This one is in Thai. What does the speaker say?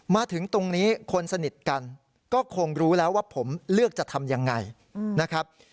มาถึงตรงนี้คนสนิทกันก็คงรู้แล้วว่าผมเลือกจะทำยังไงนะครับ